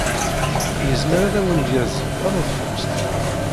Yezmer ad awen-d-yazen taneḍfust?